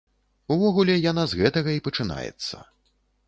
Увогуле, яна з гэтага і пачынаецца.